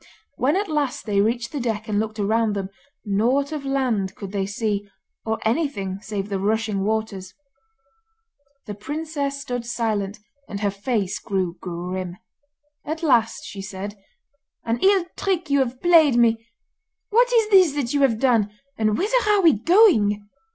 When at last they reached the deck and looked around them, nought of land could they see, or anything save the rushing waters. The princess stood silent, and her face grew grim. At last she said: 'An ill trick have you played me! What is this that you have done, and whither are we going?